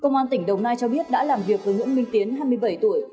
công an tỉnh đồng nai cho biết đã làm việc với nguyễn minh tiến hai mươi bảy tuổi